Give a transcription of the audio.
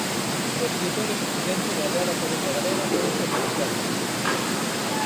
O escritor e presidente da Real Academia Galega Víctor Freixanes.